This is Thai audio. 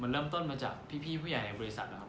เริ่มต้นมาจากพี่ผู้ใหญ่บริษัทนะครับ